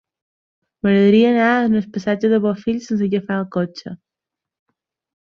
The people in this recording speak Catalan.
M'agradaria anar al passatge de Bofill sense agafar el cotxe.